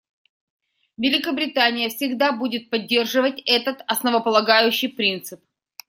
Великобритания всегда будет поддерживать этот основополагающий принцип.